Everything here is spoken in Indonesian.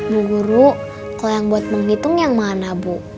bu guru kalo yang buat menghitung yang mana